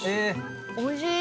おいしい。